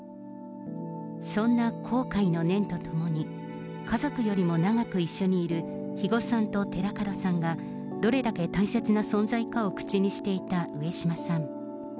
そんな後悔の念とともに、家族よりも長く一緒にいる肥後さんと寺門さんが、どれだけ大切な存在かを口にしていた上島さん。